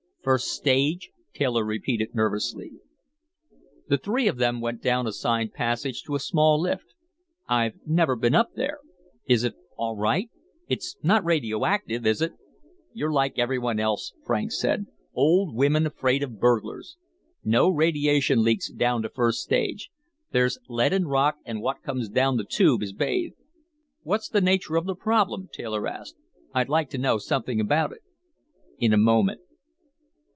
"First stage?" Taylor repeated nervously. The three of them went down a side passage to a small lift. "I've never been up there. Is it all right? It's not radioactive, is it?" "You're like everyone else," Franks said. "Old women afraid of burglars. No radiation leaks down to first stage. There's lead and rock, and what comes down the Tube is bathed." "What's the nature of the problem?" Taylor asked. "I'd like to know something about it." "In a moment."